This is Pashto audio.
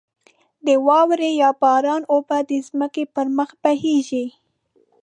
د واورې یا باران اوبه د ځمکې پر مخ بهېږې.